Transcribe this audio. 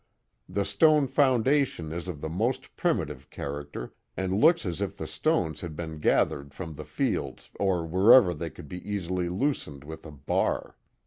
The stone foundation is of the most primitive character, and looks as if the stones had been gathered from the fields or wherever they could be easily loosened with a bar.